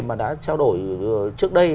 mà đã trao đổi trước đây